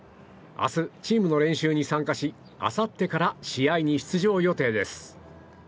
明日、チームの練習に参加しあさってから試合に出場予定です。